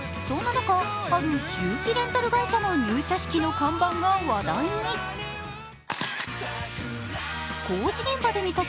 そんな中、ある重機レンタル会社の入社式の看板が話題に。